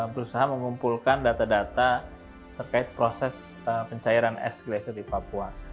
berusaha mengumpulkan data data terkait proses pencairan es gracet di papua